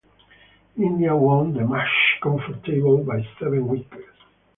India won the match comfortably by seven wickets.